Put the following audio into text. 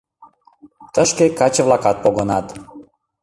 Тышке каче-влакат погынат.